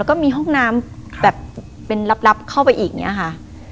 แล้วก็มีห้องน้ำแบบเป็นลับเข้าไปอีกเนี่ยค่ะ